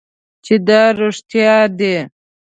چې دا رښتیا دي .